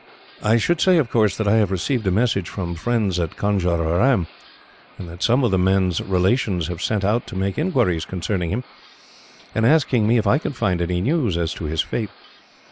I should say, of course, that I have received a message from friends at Conjeveram; that some of the man's relations have sent out to make inquiries concerning him, and asking me if I can find any news as to his fate.